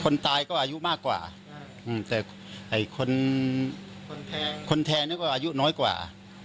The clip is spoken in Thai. คนตายก็อายุมากกว่าแต่คนแทงนี่ก็อายุน้อยกว่า